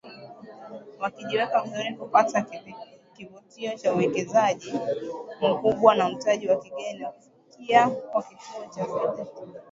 wakijiweka vizuri kupata kivutio cha uwekezaji mkubwa wa mtaji wa kigeni na kufikia kuwa kituo cha fedha cha kieneo